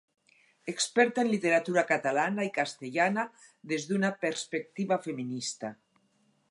Experta en literatura catalana i castellana des d’una perspectiva feminista.